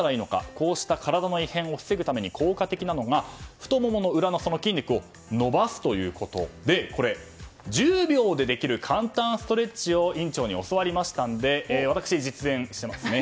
こうした体の異変を防ぐために効果的なのが太もも裏の筋肉を伸ばすということでこれ、１０秒でできる簡単ストレッチを院長に教わりましたので私が実演しますね。